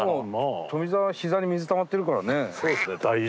富澤は膝に水たまってるからね。